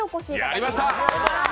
やりました！